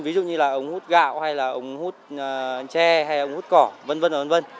ví dụ như là ống hút gạo hay là ống hút tre hay ống hút cỏ v v